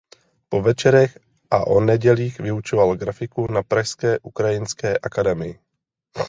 Po večerech a o nedělích vyučoval grafiku na pražské Ukrajinské akademii.